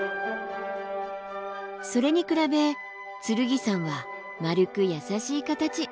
それに比べ剣山は丸く優しい形。